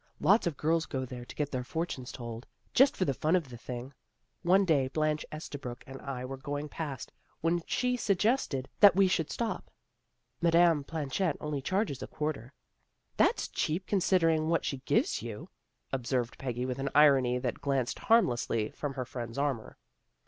Lots of girls go there to get their fortunes told, just for the fun of the thing. One day Blanche Estabrook and I were going past, when she suggested that we should 304 THE GIRLS OF FRIENDLY TERRACE stop. Madame Planchet only charges a quar ter." " That's cheap, considering what she gives you," observed Peggy with an irony that glanced harmlessly from her friend's armor.